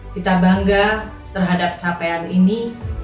kita bangga terhadap capaian ini